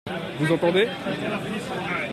Vous entendez ?